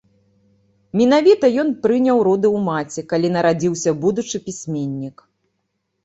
Менавіта ён прыняў роды ў маці, калі нарадзіўся будучы пісьменнік.